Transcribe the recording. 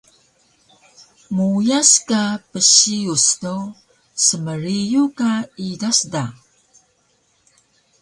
Meuyas ka psiyus do smriyu ka idas da